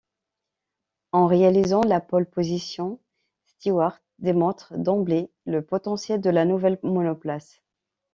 En réalisant la pole position, Stewart démontre d'emblée le potentiel de la nouvelle monoplace.